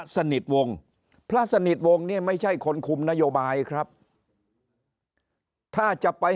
สนิทวงศ์พระสนิทวงศ์เนี่ยไม่ใช่คนคุมนโยบายครับถ้าจะไป